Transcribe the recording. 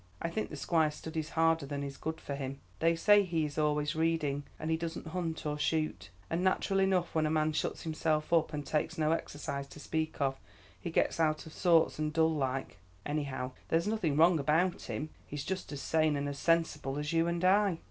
I think the Squire studies harder than is good for him. They say he is always reading, and he doesn't hunt or shoot; and natural enough when a man shuts himself up and takes no exercise to speak of, he gets out of sorts and dull like; anyhow, there's nothing wrong about him. He's just as sane and sensible as you and I."